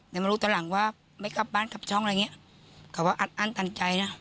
แต่มารู้ตะหลังว่าไม่กลับบ้านกลับช่องอะไรแบบนี้